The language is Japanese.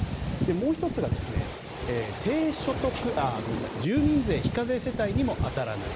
もう１つが住民税非課税世帯にも当たらない